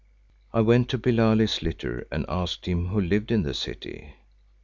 I went to Billali's litter and asked him who lived in the city.